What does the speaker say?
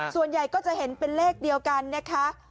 ส่วนใหญ่ก็จะเห็นเป็นเลขเดียวกันนะคะ